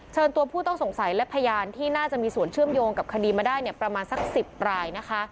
เชิญตัวผู้ต้องสงสัยและพยานที่น่าจะมีส่วนเชื่อมโยงกับคดีมาได้เนี่ยประมาณสัก๑๐รายนะคะ